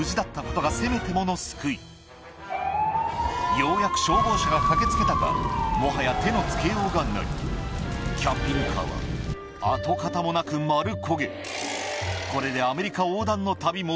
ようやく消防車が駆け付けたがもはや手の付けようがないキャンピングカーは跡形もなく丸焦げ